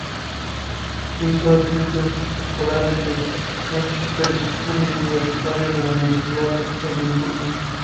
Hizo estudios escolares en Westminster School y universitarios en la Universidad de Edimburgo.